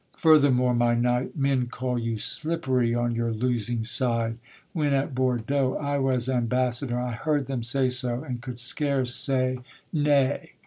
Furthermore, my knight, Men call you slippery on your losing side, When at Bordeaux I was ambassador, I heard them say so, and could scarce say: Nay.